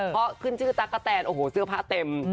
เพราะขึ้นชื่อตั๊กกะแตนโอ้โหเสื้อผ้าเต็ม